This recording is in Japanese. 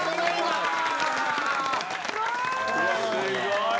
すごい！